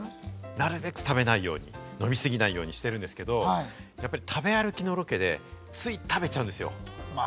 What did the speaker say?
なるべく食べないように、飲み過ぎないようにしてるんですけれども、食べ歩きのロケでつい食べちゃうんですよ。